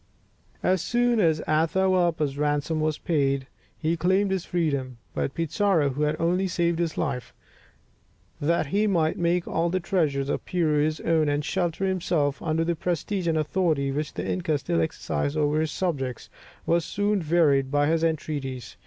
As soon as Atahualpa's ransom was paid, he claimed his freedom; but Pizarro, who had only saved his life that he might make all the treasures of Peru his own, and shelter himself under the prestige and authority which the inca still exercised over his subjects, was soon wearied by his entreaties.